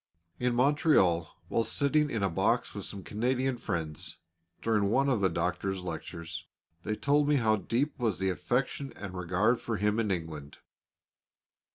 In Montreal, while sitting in a box with some Canadian friends, during one of the Doctor's lectures, they told me how deep was the affection and regard for him in England.